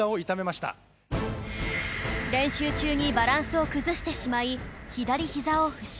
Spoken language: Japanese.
練習中にバランスを崩してしまい左ひざを負傷